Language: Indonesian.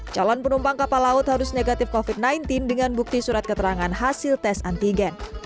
calon penumpang kapal laut harus negatif covid sembilan belas dengan bukti surat keterangan hasil tes antigen